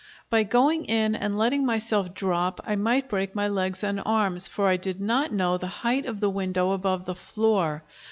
By going in and letting myself drop I might break my legs and arms, for I did not know the height of the window above the floor.